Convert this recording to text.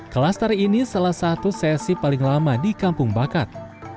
kelas tari ini salah satu sesi paling lama di kampung bakat